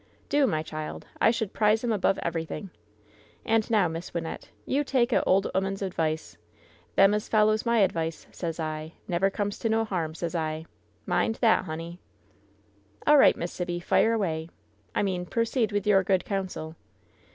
"Do, my child ! I should prize 'em above everything. And now. Miss Wynnette, you take a ole 'oman's advice. Them as follows my advice, sez I, never comes to no harm, sez I. Mind that, honey." "All right. Miss Sibby ; fire away I — I mean proceed with your good counsel."